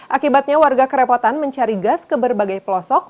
akibatnya warga kerepotan mencari gas ke berbagai pelosok